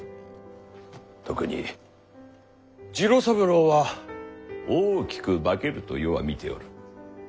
特に次郎三郎は大きく化けると余は見ておる。